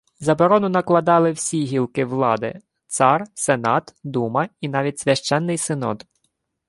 Заборону накладали всі гілки влади: цар, сенат, дума і навіть священний синод